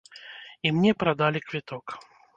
І мне прадалі квіток.